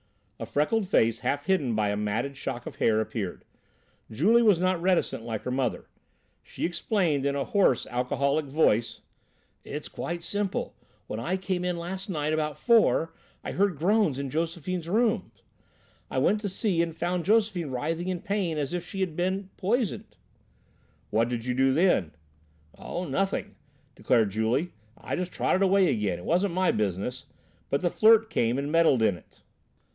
A freckled face, half hidden by a matted shock of hair, appeared. Julie was not reticent like her mother. She explained in a hoarse, alcoholic voice: "It's quite simple. When I came in last night about four I heard groans in Josephine's room. I went to see and found Josephine writhing in pain as if she had been poisoned." "What did you do then?" "Oh, nothing," declared Julie. "I just trotted away again; it wasn't my business, but the Flirt came and meddled in it."